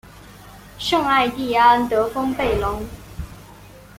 圣艾蒂安德丰贝隆。